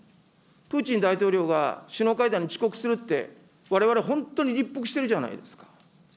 プーチン大統領が首脳会談に遅刻するって、われわれ、本当に立腹してるじゃないですか。